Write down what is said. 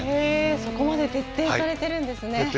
そこまで徹底されているんですね。